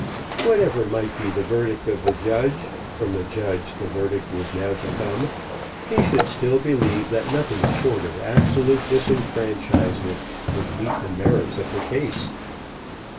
Whatever might be the verdict of the judge, from the judge the verdict was now to come, he should still believe that nothing short of absolute disfranchisement would meet the merits of the case.